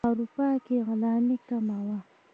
اروپا کې غلامي کمه وه.